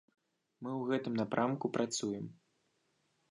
Мы ў гэтым напрамку працуем.